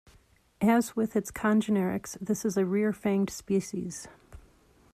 As with its congenerics, this is a reared-fanged species.